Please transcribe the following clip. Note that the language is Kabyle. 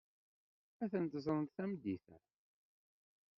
Ad tent-ẓrent tameddit-a.